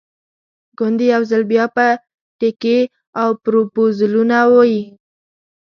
ګوندې یو ځل بیا به ټیکې او پروپوزلونه وي.